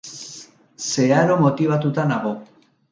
Zeharo motibatuta nago.